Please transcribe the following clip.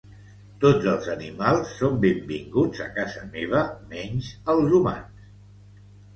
Tots els animals són benvinguts a casa meva menys els humans